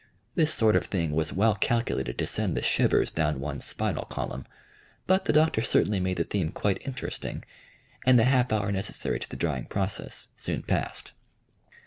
This sort of thing was well calculated to send the shivers down one's spinal column, but the Doctor certainly made the theme quite interesting and the half hour necessary to the drying process soon passed.